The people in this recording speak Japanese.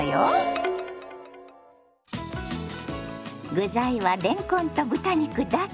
具材はれんこんと豚肉だけ！